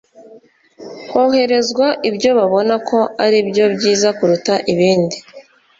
Hoherezwa ibyo babona ko ari byo byiza kuruta ibindi